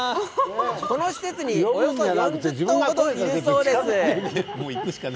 この施設におよそ４０匹いるそうです。